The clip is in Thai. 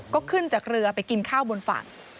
ก็ขึ้นจากเรือไปกินข้าวบนฝั่ง